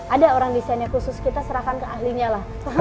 ada orang desainnya khusus kita serahkan ke ahlinya lah